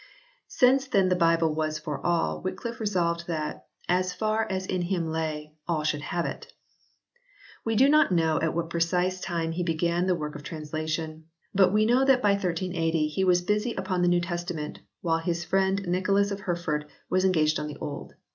Since then the Bible was for all, Wy cliffe resolved that, as far as in him lay, all should have it. We do not know at what precise time he began the work of translation, but we know that by 1380 he was busy upon the New Testament while his friend Nicholas of Hereford was engaged upon the Old.